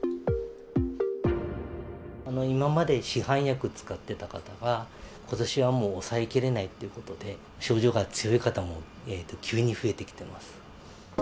今まで市販薬使ってた方は、ことしはもう抑えきれないっていうことで、症状が強い方も急に増えてきてます。